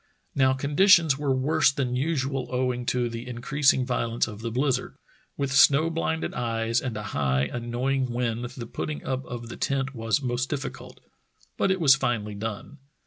Now conditions were worse than usual owing to the increas ing violence of the blizzard. With snow blinded eyes and a high, annoying wind the putting up of the tent was most difficult, but it was finally done.